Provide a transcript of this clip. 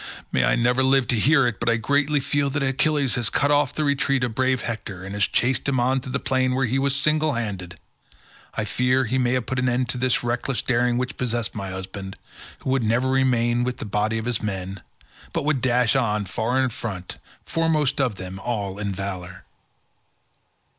May I never live to hear it, but I greatly fear that Achilles has cut off the retreat of brave Hector and has chased him on to the plain where he was single handed; I fear he may have put an end to the reckless daring which possessed my husband, who would never remain with the body of his men, but would dash on far in front, foremost of them all in valour."